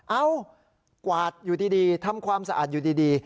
เอ้ากวาดอยู่ดีทำความสะอาดอยู่ดี